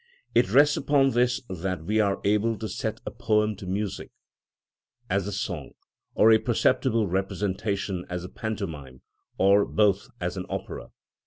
It rests upon this that we are able to set a poem to music as a song, or a perceptible representation as a pantomime, or both as an opera.